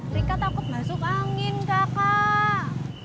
mereka takut masuk angin kakak